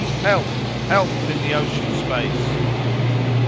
—"Help! Help! in the ocean space!"